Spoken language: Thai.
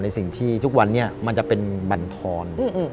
สิ่งที่ทุกวันนี้มันจะเป็นบรรทร